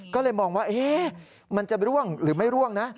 ก็เลยมองว่ามันจะร่วงหรือไม่ร่วงนะ